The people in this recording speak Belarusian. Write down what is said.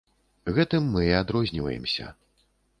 Гэтым мы і адрозніваемся.